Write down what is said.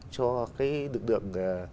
cho cái lực lượng